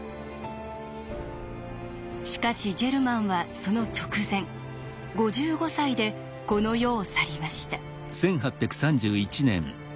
しかしジェルマンはその直前５５歳でこの世を去りました。